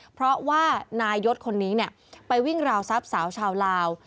เพราะว่านายศคนนี้เนี่ยไปวิ่งราวสับสาวชาวราว